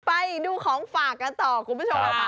ไปดูของฝากกันต่อคุณผู้ชมค่ะ